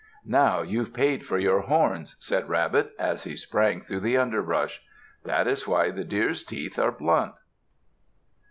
"Now you've paid for your horns," said Rabbit as he sprang through the underbrush. That is why the Deer's teeth are blunt.